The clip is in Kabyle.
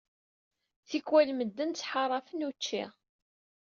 Tikkwal, medden ttḥaṛafen učči.